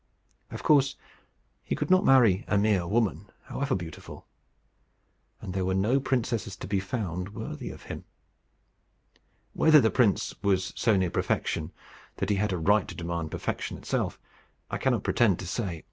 Of course he could not marry a mere woman, however beautiful; and there was no princess to be found worthy of him. Whether the prince was so near perfection that he had a right to demand perfection itself, I cannot pretend to say.